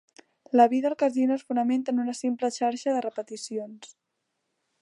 La vida al casino es fonamenta en una simple xarxa de repeticions.